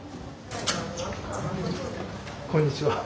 こんにちは。